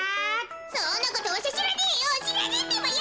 そんなことわしゃしらねえよしらねえってばよ！